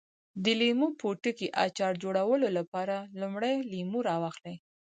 د لیمو پوټکي اچار جوړولو لپاره لومړی لیمو راواخلئ.